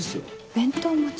弁当持ち？